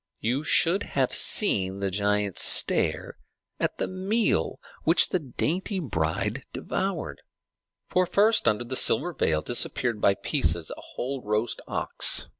You should have seen the giants stare at the meal which the dainty bride devoured! For first under the silver veil disappeared by pieces a whole roast ox.